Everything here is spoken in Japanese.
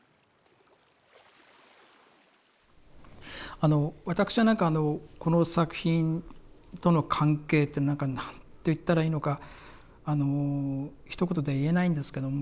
あのわたくしはなんかあのこの作品との関係っていうのなんかなんと言ったらいいのかあのひと言で言えないんですけども。